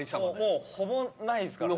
もうほぼないっすからね。